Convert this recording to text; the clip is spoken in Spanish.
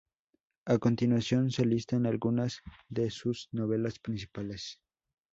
A continuación se listan algunas de sus novelas principales.